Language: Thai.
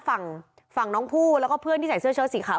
ฝั่งฝั่งน้องผู้แล้วก็เพื่อนที่ใส่เสื้อเชิดสีขาว